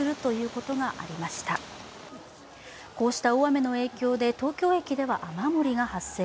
こうした大雨の影響で、東京駅では雨漏りが発生。